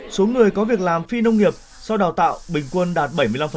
số người có việc làm phi nông nghiệp sau đào tạo bình quân đạt bảy mươi năm